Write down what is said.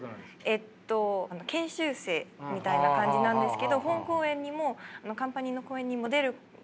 えっと研修生みたいな感じなんですけど本公演にもカンパニーの公演にも出ることもありますし。